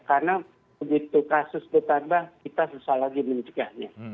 karena begitu kasus bertambah kita susah lagi mencegahnya